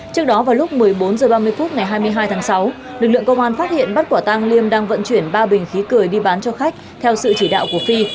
trước đó vào lúc một mươi bốn h ba mươi phút ngày hai mươi hai tháng sáu lực lượng công an phát hiện bắt quả tăng liêm đang vận chuyển ba bình khí cười đi bán cho khách theo sự chỉ đạo của phi